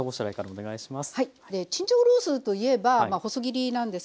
お願いします。